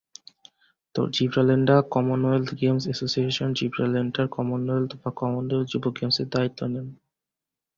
Gibraltar Commonwealth Games Association Gibraltar Commonwealth ও Commonwealth যুব Games এর দায়িত্ব নেয়।